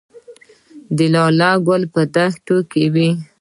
د لاله ګل په دښتو کې وي